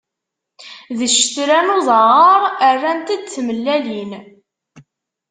D ccetla n uẓaɣaṛ, rnant-d tmellalin.